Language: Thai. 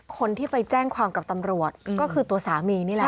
คนที่ไปแจ้งความกับตำรวจก็คือตัวสามีนี่แหละ